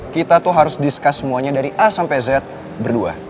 kita tuh harus discuss semuanya dari a sampai z berdua